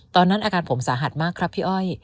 ตอนนั้นอาการผมสาหัสมากครับพี่อ้อย